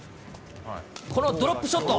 このドロップショット。